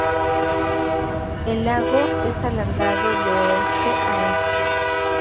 El lago es alargado de oeste a este.